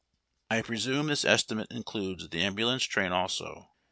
1 presume this estimate includes the ambulance train also.